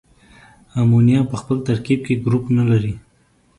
امونیا په خپل ترکیب کې ګروپ نلري.